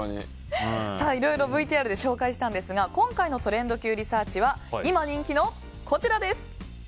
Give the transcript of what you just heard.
いろいろＶＴＲで紹介したんですが今回のトレンドＱリサーチは今人気の、こちらです。